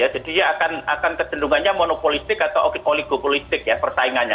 jadi dia akan kecenderungannya monopolitik atau oligopolitik ya persaingannya